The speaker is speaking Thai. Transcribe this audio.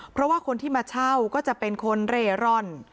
เพราะว่าคนที่มาเช่าก็จะเป็นคนเร่ร่อน